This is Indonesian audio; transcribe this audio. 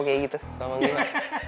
kayak gitu sama bang diman